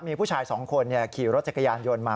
มีผู้ชาย๒คนขี่รถจักรยานยนต์มา